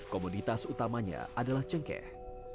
komoditas utamanya adalah cengkeh